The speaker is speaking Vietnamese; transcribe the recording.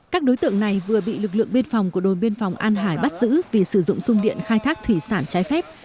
các đối tượng này vừa bị lực lượng biên phòng của đồn biên phòng an hải bắt giữ vì sử dụng sung điện khai thác thủy sản trái phép